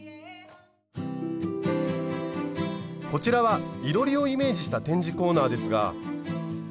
こちらはいろりをイメージした展示コーナーですが。